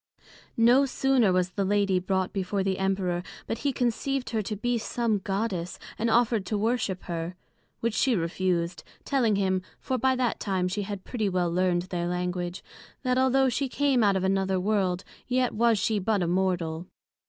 No sooner was the Lady brought before the Emperor, but he conceived her to be some Goddess, and offered to worship her; which she refused, telling him, (for by that time she had pretty well learned their Language) that although she came out of another world, yet was she but a mortal.